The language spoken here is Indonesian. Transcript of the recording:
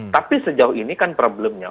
tapi sejauh ini kan problemnya